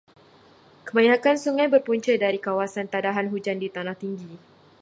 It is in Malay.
Kebanyakan sungai berpunca dari kawasan tadahan hujan di tanah tinggi.